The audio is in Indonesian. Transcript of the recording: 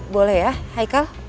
boleh ya haika